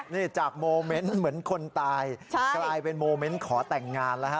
นี่จากโมเมนต์เหมือนคนตายกลายเป็นโมเมนต์ขอแต่งงานแล้วฮะ